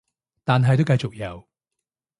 但係都繼續有